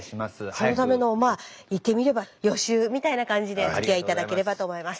そのためのまあ言ってみれば予習みたいな感じでおつきあい頂ければと思います。